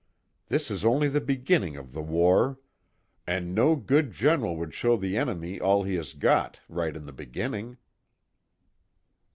This is only the beginning of the war. And no good general would show the enemy all he has got right in the beginning."